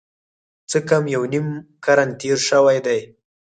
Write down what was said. څه کم یو نیم قرن تېر شوی دی.